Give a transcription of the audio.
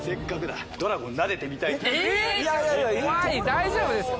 ⁉大丈夫ですか？